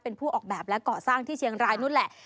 เป็นผู้ออกแบบและก่อสร้างที่เชียงรายนู้นแหละ